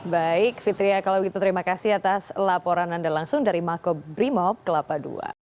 baik fitria kalau begitu terima kasih atas laporan anda langsung dari makobrimob kelapa ii